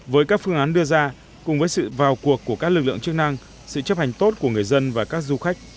với các phương án đưa ra cùng với sự vào cuộc của các lực lượng chức năng sự chấp hành tốt của người dân và các du khách